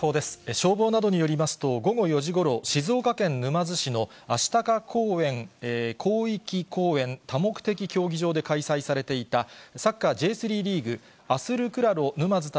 消防などによりますと、午後４時ごろ、静岡県沼津市の愛鷹広域公園多目的競技場で開催されていた、サッカーＪ３リーグ・アスルクラロ沼津対